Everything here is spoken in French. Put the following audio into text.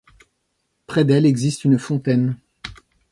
Près d'elle existe une fontaine.